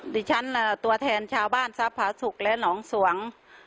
ดิฉันตัวแทนชาวบ้านสภาษุกรัฐและหนองสวง